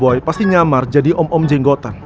si dancer boy pasti nyamar jadi om om jengotan